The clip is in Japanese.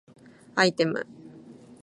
アイテム